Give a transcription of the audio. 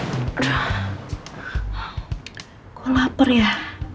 kok lapar ya